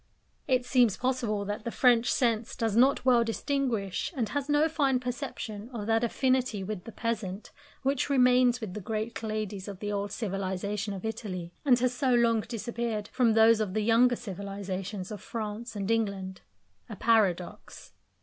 It seems possible that the French sense does not well distinguish, and has no fine perception of that affinity with the peasant which remains with the great ladies of the old civilisation of Italy, and has so long disappeared from those of the younger civilisations of France and England a paradox.